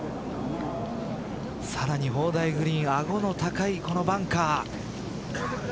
さらに砲台グリーン顎の高いこのバンカー。